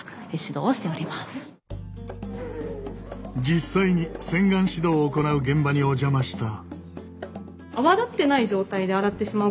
実際に洗顔指導を行う現場にお邪魔した。